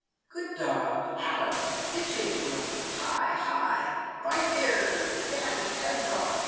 " Good dog ! at 'em ! pitch into 'em ! hi, hi ! bite their d — d heads off!